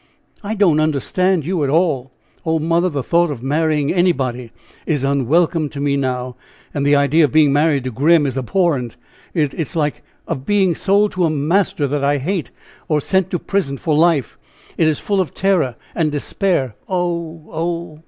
"I don't understand you at all." "Oh, mother, the thought of marrying anybody is unwelcome to me now; and the idea of being married to Grim is abhorrent; is like that of being sold to a master that I hate, or sent to prison for life; it is full of terror and despair. Oh! oh!